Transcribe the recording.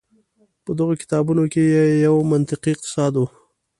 په دغو کتابونو کې یو یې منطقوي اقتصاد و.